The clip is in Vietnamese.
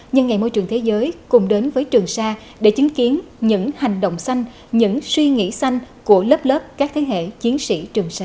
nhân ngày môi trường thế giới cùng đến với trường sa để chứng kiến những hành động xanh những suy nghĩ xanh của lớp lớp các thế hệ chiến sĩ trường xa